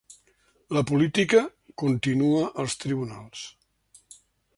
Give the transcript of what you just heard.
La política continua als tribunals.